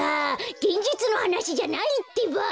げんじつのはなしじゃないってば！